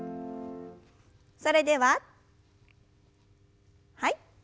それでははい。